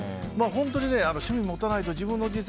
本当に趣味を持たないと自分の人生